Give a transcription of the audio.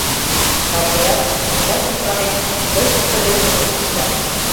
Каврият, шинчажым Карен, пыч ыштыде нуным онча.